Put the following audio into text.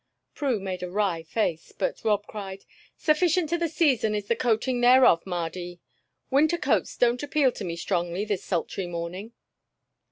Prue made a wry face, but Rob cried: "Sufficient to the season is the coating thereof, Mardy. Winter coats don't appeal to me strongly this sultry morning."